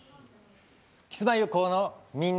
キスマイ横尾の「みんな！